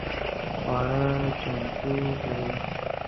خواړه چمتو کړئ